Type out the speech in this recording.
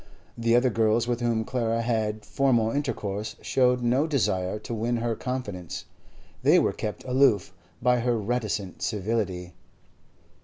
The other girls with whom Clara had formal intercourse showed no desire to win her confidence; they were kept aloof by her reticent civility.